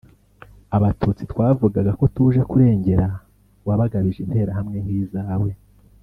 Abatutsi twavugaga ko tuje kurengera wabagabije Interahamwe nkizawe